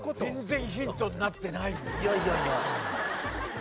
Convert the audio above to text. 全然ヒントになってない。